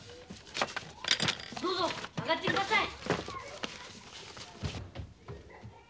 どうぞ上がって下さい。